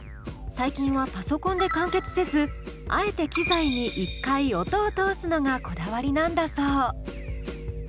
最近はパソコンで完結せずあえて機材に一回音を通すのがこだわりなんだそう。